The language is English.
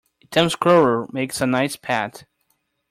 A tame squirrel makes a nice pet.